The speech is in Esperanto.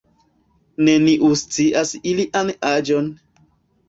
Neniu scias ilian aĝon.